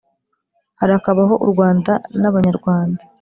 harakabaho u rwanda n’abanyarwanda